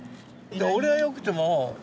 俺はよくても。